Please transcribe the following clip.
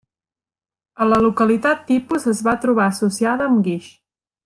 A la localitat tipus es va trobar associada amb guix.